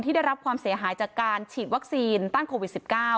ได้รับความเสียหายจากการฉีดวัคซีนต้านโควิด๑๙